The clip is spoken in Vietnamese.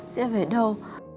sẽ về đâu